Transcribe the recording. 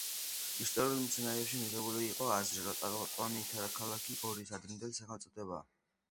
ისტორიულ მეცნიერებაში მიღებული იყო აზრი, რომ ტონთიო ქალაქ გორის ადრინდელი სახელწოდებაა.